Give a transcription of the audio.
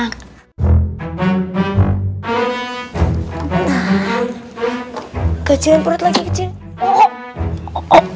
kecilin perut lagi kecilin